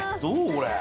これ。